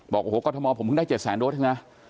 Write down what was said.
บอกว่าโอ้โหกฎมผมเพิ่งได้๗๐๐๐๐๐โดสนะ